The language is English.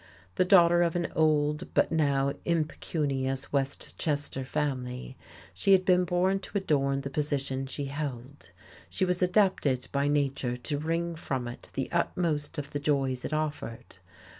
The daughter of an old but now impecunious Westchester family, she had been born to adorn the position she held, she was adapted by nature to wring from it the utmost of the joys it offered.